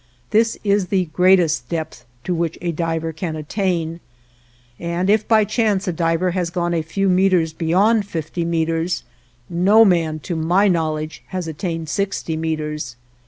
This is the greatest depth to which a diver can attain, and if by chance a diver has gone a few meters beyond fifty meters, no man to my knowledge has attained sixty meters.